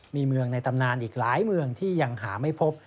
มีเมืองในตำนานอีกหลายเมืองที่ยังหาไม่พบ